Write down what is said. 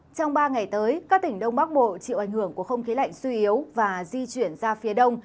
trong ba ngày tới các tỉnh đông bắc bộ chịu ảnh hưởng của không khí lạnh suy yếu và di chuyển ra phía đông